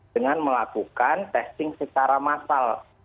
dengan melakukan testing secara massal